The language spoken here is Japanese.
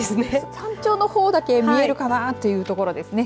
山頂の方だけ見えるかなというところですね。